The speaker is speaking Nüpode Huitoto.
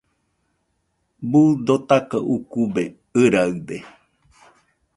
Buu dotaka ukube ɨraɨde